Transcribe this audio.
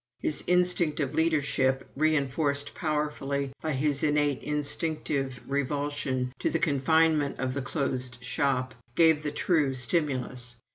His instinct of leadership, reinforced powerfully by his innate instinctive revulsion to the confinement of the closed shop, gave the true stimulus.